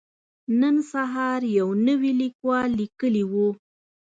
نن سهار يو نوي ليکوال ليکلي وو.